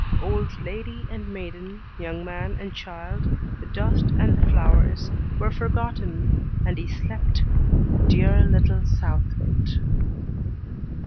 Old lady and maiden, young man and child, the dust and the flowers, were forgotten, and he slept, dear little south wind!